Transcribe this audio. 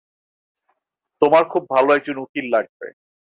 তোমার খুব ভালো একজন উকিল লাগবে।